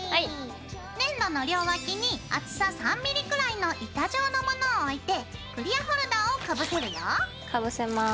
粘土の両脇に厚さ３ｍｍくらいの板状のものを置いてクリアホルダーをかぶせるよ。かぶせます。